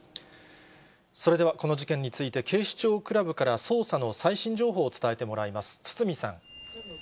それでは、この事件について、警視庁クラブから捜査の最新情報を伝えてもらいます。